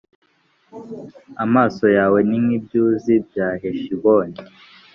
Amaso yawe ni nk’ibyuzi bya Heshiboni,